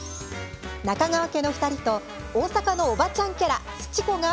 中川家の２人と大阪のおばちゃんキャラすち子が